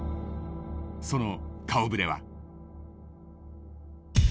その顔ぶれは。